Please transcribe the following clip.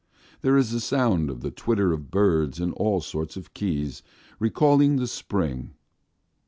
There is the sound of the twitter of birds in all sorts of keys, recalling the spring.